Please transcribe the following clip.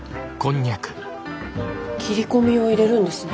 切り込みを入れるんですね。